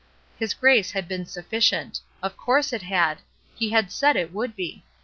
His grace had been sufficient: of course it had; He had said that it would be.